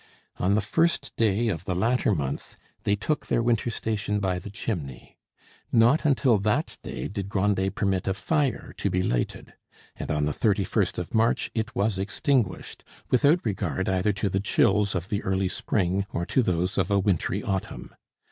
On the first day of the latter month they took their winter station by the chimney. Not until that day did Grandet permit a fire to be lighted; and on the thirty first of March it was extinguished, without regard either to the chills of the early spring or to those of a wintry autumn.